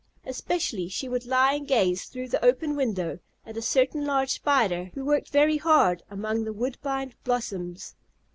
Especially she would lie and gaze through the open window, at a certain large spider, who worked very hard among the woodbine blossoms.